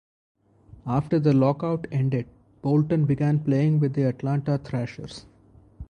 After the Lockout ended, Boulton began playing with the Atlanta Thrashers.